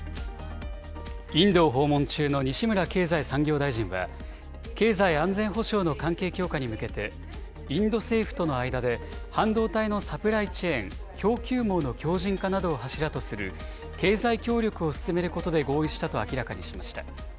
インドを訪問中の西村経済産業大臣は、経済安全保障の関係強化に向けて、インド政府との間で半導体のサプライチェーン・供給網の強じん化などを柱とする経済協力を進めることで合意したと明らかにしました。